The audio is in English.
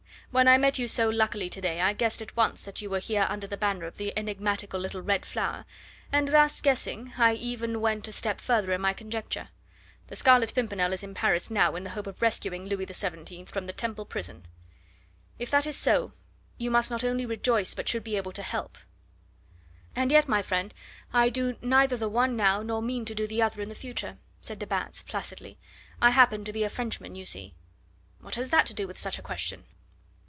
When I met you so luckily today I guessed at once that you were here under the banner of the enigmatical little red flower, and, thus guessing, I even went a step further in my conjecture. The Scarlet Pimpernel is in Paris now in the hope of rescuing Louis XVII from the Temple prison." "If that is so, you must not only rejoice but should be able to help." "And yet, my friend, I do neither the one now nor mean to do the other in the future," said de Batz placidly. "I happen to be a Frenchman, you see." "What has that to do with such a question?"